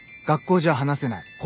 「学校じゃ話せない。